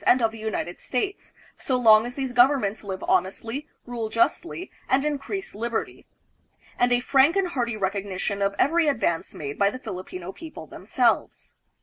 and of the United States, so long as these governments live honestly, rule justly, and increase liberty; and a frank and hearty rec ognition of every advance made by the Filipino people themselves.